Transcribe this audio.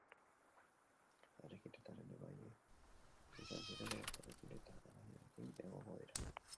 Harekin eta haren emaile izan ziren emaztearekin eta anaiarekin egongo dira.